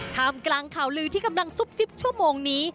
ท่ามกลางข่าวลือที่กำลังซุบซิบชั่วโมงนี้